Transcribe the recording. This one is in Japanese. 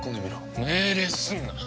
命令すんな！